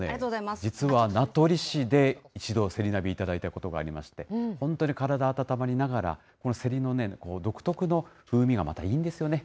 実は名取市で、一度せり鍋頂いたことがありまして、本当に体あたたまりながら、このせりのね、独特の風味がまたいいんですよね。